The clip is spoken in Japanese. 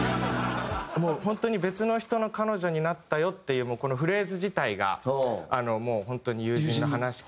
本当に「別の人の彼女になったよ」っていうこのフレーズ自体がもう本当に友人の話から。